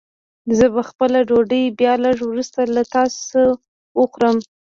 زه به خپله ډوډۍ بيا لږ وروسته له تاسو وخورم.